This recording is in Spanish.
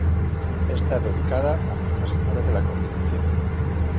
Está dedicada a Nuestra Señora de la Concepción.